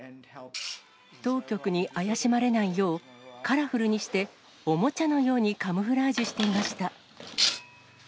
当局に怪しまれないよう、カラフルにして、おもちゃのようにカムフラージュしていました。